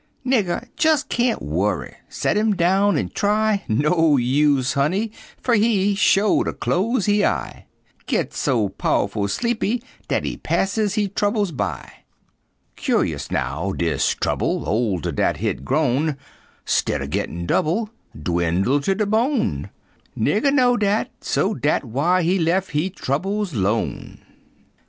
Nigger jes' kain't worry, Set him down an' try, No use, honey, fer he Sho' ter close he eye, Git so pow'ful sleepy dat he pass he troubles by. Cur'ous, now, dis trouble Older dat hit grown, 'Stid er gittin' double, Dwinnle ter de bone; Nigger know dat, so dat why he lef' he troubles 'lone.